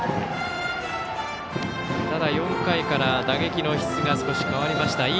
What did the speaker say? ただ、４回から打撃の質が少し変わりました。